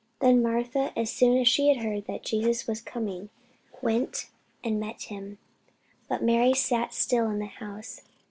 Then Martha, as soon as she heard that Jesus was coming, went and met him: but Mary sat still in the house.